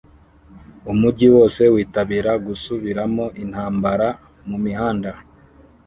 Umujyi wose witabira gusubiramo intambara mumihanda